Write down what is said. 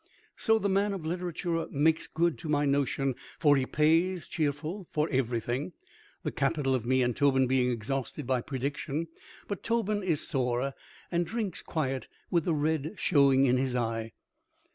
So, the man of literature makes good, to my notion, for he pays, cheerful, for everything, the capital of me and Tobin being exhausted by prediction. But Tobin is sore, and drinks quiet, with the red showing in his eye.